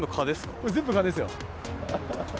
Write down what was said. これ全部、蚊ですよ。